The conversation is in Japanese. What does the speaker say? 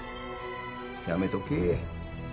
やめとけ。